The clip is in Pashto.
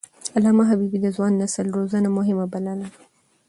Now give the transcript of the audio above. علامه حبيبي د ځوان نسل روزنه مهمه بلله.